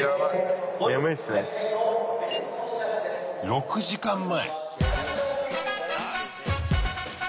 ６時間前！